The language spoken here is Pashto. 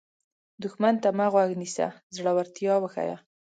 دښمن ته مه غوږ نیسه، زړورتیا وښیه